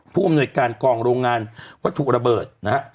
ผู้อำนวยการกองโรงงานวัตถุระเบิดนะฮะ